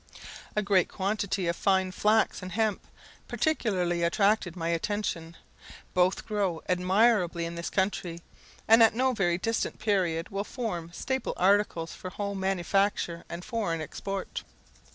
A great quantity of fine flax and hemp particularly attracted my attention. Both grow admirably in this country, and at no very distant period will form staple articles for home manufacture and foreign export.